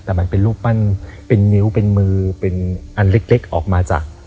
แต่มันเป็นรูปปั้นเป็นนิ้วเป็นมือเป็นอันเล็กออกมาจาก